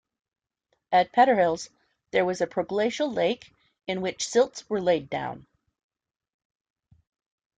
At Petterhills, there was a proglacial lake in which silts were laid down.